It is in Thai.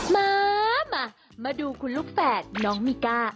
มามามาดูคุณลูกแฝดน้องมิก้า